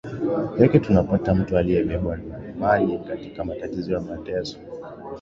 yake tunapata mtu aliyebebwa na imani katika matatizo na mateso